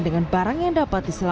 dengan barang yang dapat diselamatkan